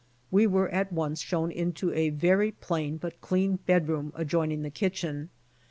We were at once shown into a very plain but clean bed room adjoining the kitchen.